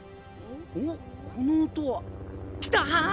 ・おっこの音は。来た！